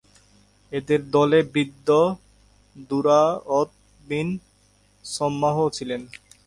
এদের দলে বৃদ্ধ দুরায়দ বিন ছম্মাহও ছিল।